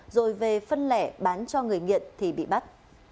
rồi về phân lẻ bán cho người nghiện thì bị bắt